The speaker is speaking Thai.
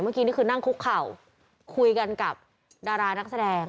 เมื่อกี้นี่คือนั่งคุกเข่าคุยกันกับดารานักแสดง